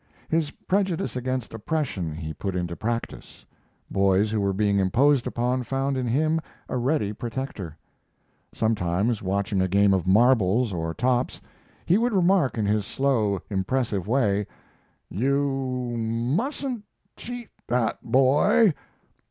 His prejudice against oppression he put into practice. Boys who were being imposed upon found in him a ready protector. Sometimes, watching a game of marbles or tops, he would remark in his slow, impressive way: "You mustn't cheat that boy."